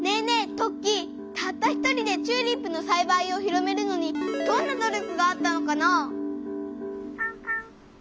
トッキーたった１人でチューリップのさいばいを広めるのにどんな努力があったのかな？